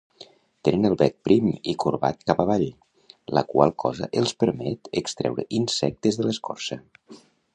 Tenen el bec prim i corbat cap avall, la qual cosa els permet extreure insectes de l'escorça.